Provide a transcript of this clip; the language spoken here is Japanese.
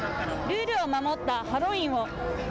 ルールを守ったハロウィーンを。